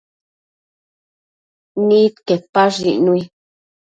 Nidquepash icnui